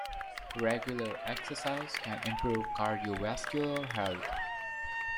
Regular exercise can improve cardiovascular health.